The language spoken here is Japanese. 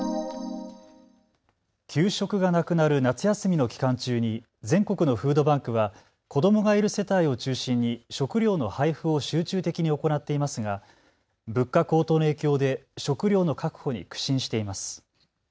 給食がなくなる夏休みの期間中に全国のフードバンクは子どもがいる世帯を中心に食料の配布を集中的に行っていますが物価高騰の影響で食料の確保に苦心しています。